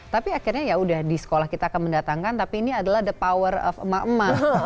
tapi akhirnya yaudah di sekolah kita akan mendatangkan tapi ini adalah the power of emak emak